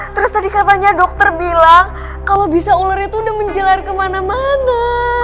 terus tadi katanya dokter bilang kalo bisa ulernya tuh udah menjelar kemana mana